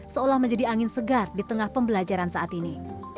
seolah menjadi angin segar di tengah pembelajaran saat ini